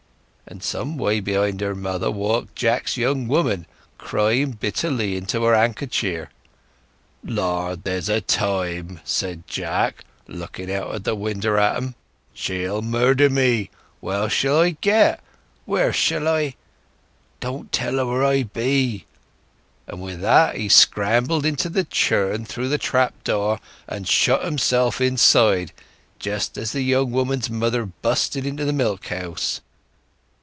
And some way behind her mother walked Jack's young woman, crying bitterly into her handkercher. 'O Lard, here's a time!' said Jack, looking out o' winder at 'em. 'She'll murder me! Where shall I get—where shall I—? Don't tell her where I be!' And with that he scrambled into the churn through the trap door, and shut himself inside, just as the young woman's mother busted into the milk house.